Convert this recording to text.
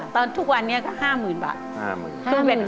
ทุกวันนี้ก็๕๐๐๐บาท